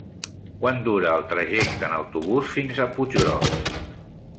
Quant dura el trajecte en autobús fins a Puiggròs?